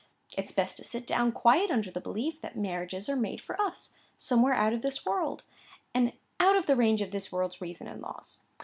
It's best to sit down quiet under the belief that marriages are made for us, somewhere out of this world, and out of the range of this world's reason and laws.